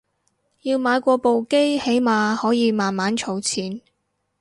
要買過部機起碼可以慢慢儲錢